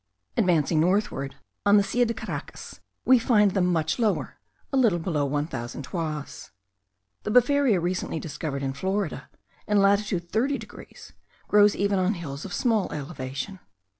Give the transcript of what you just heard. Advancing northward, on the Silla de Caracas, we find them much lower, a little below one thousand toises. The befaria recently discovered in Florida, in latitude 30 degrees, grows even on hills of small elevation.